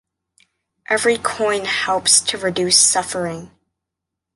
Every coin helps to reduce suffering.